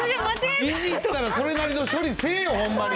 いじるんやったら、それなりの処理せえよ、ほんまに。